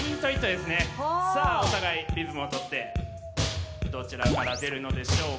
さあお互いリズムを取ってどちらから出るのでしょうか。